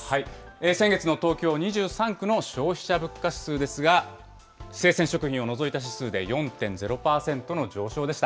先月の東京２３区の消費者物価指数ですが、生鮮食品を除いた指数で４．０％の上昇でした。